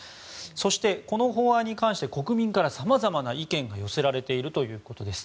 そして、この法案に関して国民から様々な意見が寄せられているということです。